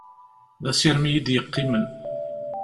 D asirem i yi-d yeqqimen.